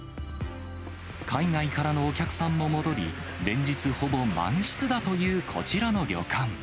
海外からのお客さんも戻り、連日、ほぼ満室だというこちらの旅館。